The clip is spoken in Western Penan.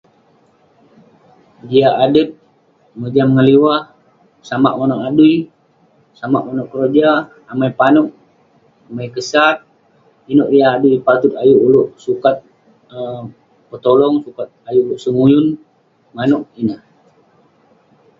Jiak adet, mojam ngeliwah, samak manouk adui, samak manouk keroja. Amai panouk, amai kesat. Inouk yah adui patut ayuk ulouk sukat um petolong, sukat ayuk ulouk semuyun, manouk ineh.